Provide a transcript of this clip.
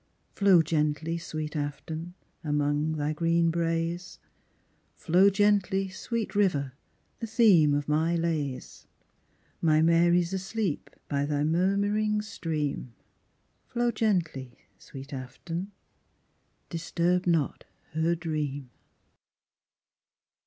Flow gently, sweet Afton, among thy green braes, Flow gently, sweet river, the theme of my lays, My Mary's asleep by thy murmuring stream, Flow gently, sweet Afton, disturb not her dream.